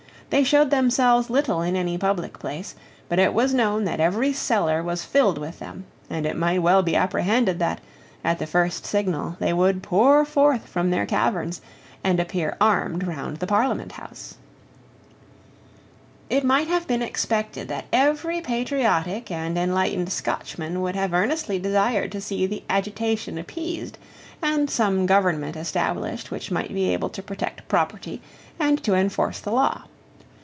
They showed themselves little in any public place: but it was known that every cellar was filled with them; and it might well be apprehended that, at the first signal, they would pour forth from their caverns, and appear armed round the Parliament house, It might have been expected that every patriotic and enlightened Scotchman would have earnestly desired to see the agitation appeased, and some government established which might be able to protect property and to enforce the law.